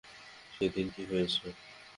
সেদিন কী হয়েছে?